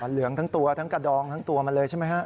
เหลืองทั้งตัวทั้งกระดองทั้งตัวมันเลยใช่ไหมฮะ